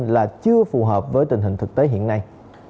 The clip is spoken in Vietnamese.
là chưa phù hợp với tình hình thực tế hiện nay